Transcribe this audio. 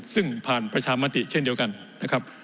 ซึ่งผ่านประชามติเช่นเดียวกันนะครับ